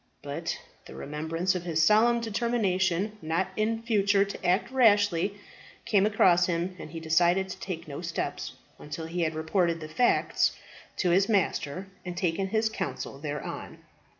But the remembrance of his solemn determination not in future to act rashly, came across him, and he decided to take no steps until he had reported the facts to his master, and taken his counsel thereon.